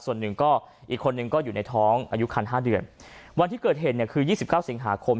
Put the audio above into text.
ส่วนหนึ่งก็อีกคนนึงก็อยู่ในท้องอายุคันห้าเดือนวันที่เกิดเหตุเนี่ยคือยี่สิบเก้าสิงหาคม